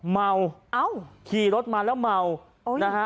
เมาเอ้าขี่รถมาแล้วเมานะฮะ